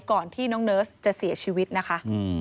ก่อนที่น้องเนิร์สจะเสียชีวิตนะคะ